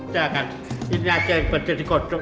jangan ini aja yang berdiri kodok